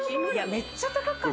めっちゃ高かったよ。